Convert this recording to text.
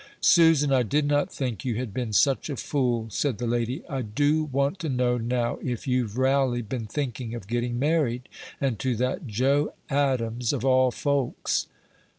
"Susan, I did not think you had been such a fool," said the lady. "I do want to know, now, if you've railly been thinking of getting married, and to that Joe Adams of all folks!"